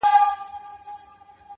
سترگي دي ژوند نه اخلي مرگ اخلي اوس؛